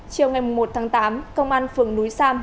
chiều ngày một tháng tám công an phường núi sam